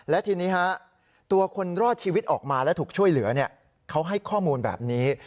และทีนี้ตัวคนรอดชีวิตออกมาและถูกช่วยเหลือเขาให้ข้อมูลแบบนี้